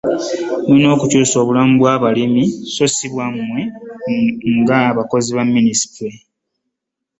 Mulina kukyusa bulamu bwa balimi so si bwammwe ng'abakozi ba minisitule